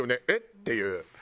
えっ？っていう。